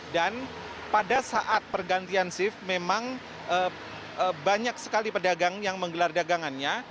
dan pada saat pergantian shift memang banyak sekali pedagang yang menggelar dagangannya